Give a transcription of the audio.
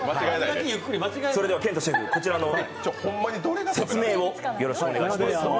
それでは健人シェフ、こちらの説明をよろしくお願いします。